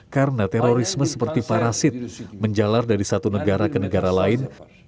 karena terorisme seperti parasit menjalar dari satu negara ke negara lain